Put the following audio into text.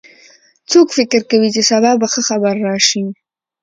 څوک فکر کوي چې سبا به ښه خبر راشي